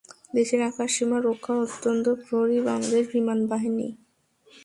দেশের আকাশসীমা রক্ষার অতন্দ্র প্রহরী বাংলাদেশ বিমান বাহিনী।